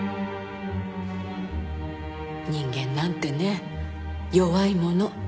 人間なんてね弱いもの。